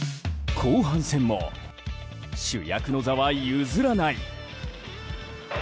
後半戦も主役の座は譲らない。